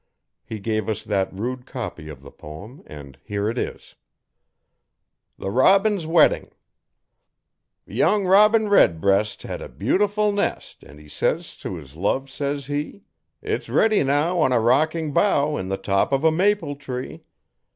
He gave us that rude copy of the poem, and here it is: THE ROBIN'S WEDDING Young robin red breast hed a beautiful nest an' he says to his love says he: It's ready now on a rocking bough In the top of a maple tree.